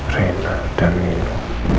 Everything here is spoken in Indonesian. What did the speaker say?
reina dan nino